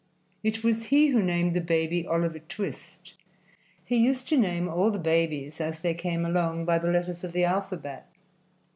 It was he who named the baby "Oliver Twist." He used to name all the babies as they came along, by the letters of the alphabet.